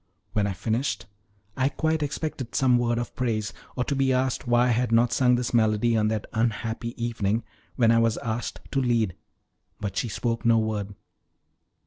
When I finished, I quite expected some word of praise, or to be asked why I had not sung this melody on that unhappy evening when I was asked to lead; but she spoke no word.